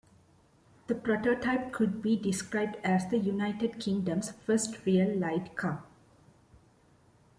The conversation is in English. The prototype could be described as the United Kingdom's first real light car.